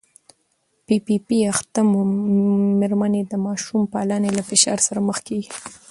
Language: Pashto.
پي پي پي اخته مېرمنې د ماشوم پالنې له فشار سره مخ کېږي.